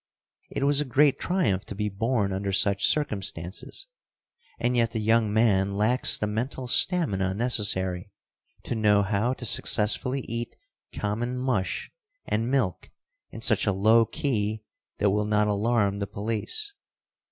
It was a great triumph to be born under such circumstances, and yet the young man lacks the mental stamina necessary to know how to successfully eat common mush and milk in such a low key that will not alarm the police.